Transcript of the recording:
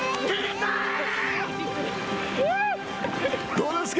どうですか？